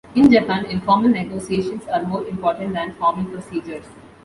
In Japan, informal negotiations are more important than formal procedures.